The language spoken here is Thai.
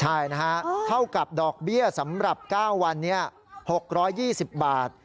ใช่นะฮะเท่ากับดอกเบี้ยสำหรับ๙วันนี้๖๒๐บาท